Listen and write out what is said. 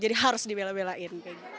jadi harus dibela belain